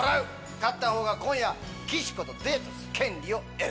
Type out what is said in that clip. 勝ったほうが今夜岸子とデートする権利を得る！